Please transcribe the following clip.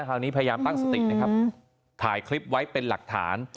พยายามตั้งสตินะครับถ่ายคลิปไว้เป็นหลักฐาน